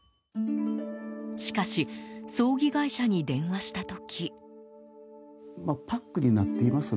しかし葬儀会社に電話した時。